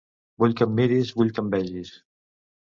Vull que em miris, vull que em vegis.